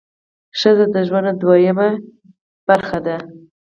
ښځه د ژوند دویمه پهیه ده.